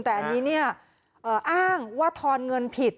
แต่อันนี้เนี่ยอ้างว่าทอนเงินผิด